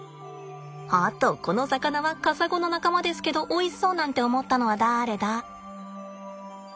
あっとこの魚はカサゴの仲間ですけどおいしそうなんて思ったのはだれだ？